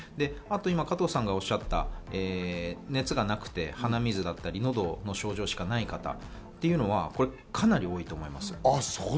あと加藤さんが今おっしゃった、熱がなくて鼻水だったり喉の症状しかない方というのは、かなり多いと思います。